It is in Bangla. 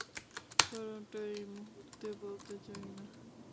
কারণটা এই মুহূর্তে বলতে চাই না।